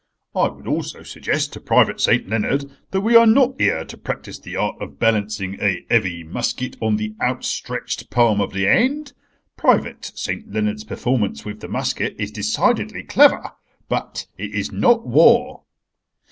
"I would also suggest to Private St. Leonard that we are not here to practice the art of balancing a heavy musket on the outstretched palm of the hand. Private St. Leonard's performance with the musket is decidedly clever. But it is not war.